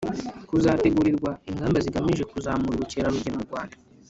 hazategurwa ingamba zigamije kuzamura ubukerarugendo mu rwanda